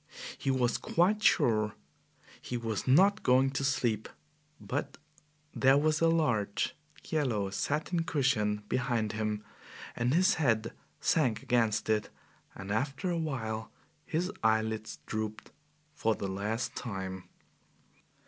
He was quite sure he was not going to sleep, but there was a large, yellow satin cushion behind him and his head sank against it, and after a while his eyelids drooped for the last time.